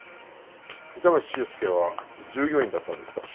板橋秀介は従業員だったんですか？